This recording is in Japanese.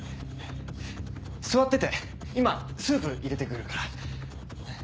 座ってて今スープ入れて来るから。